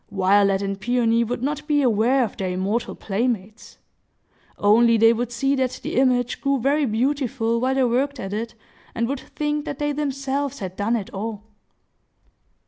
Violet and Peony would not be aware of their immortal playmates,—only they would see that the image grew very beautiful while they worked at it, and would think that they themselves had done it all.